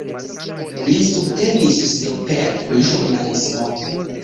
Li subtenis sin per ĵurnalismo.